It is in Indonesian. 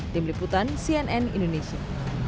tim liputan cnn indonesia